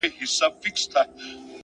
مجرم د غلا خبري پټي ساتي ـ